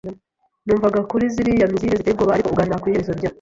numvaga, kuri ziriya misile ziteye ubwoba. Ariko ugana ku iherezo rya